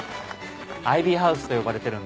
アイビーハウスと呼ばれてるんだ。